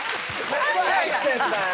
何やってんだよ！